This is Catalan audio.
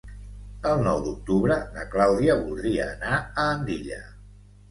El nou d'octubre na Clàudia voldria anar a Andilla.